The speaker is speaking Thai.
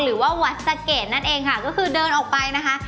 หรือว่าวัดสะเกดนั่นเองค่ะก็คือเดินออกไปนะคะ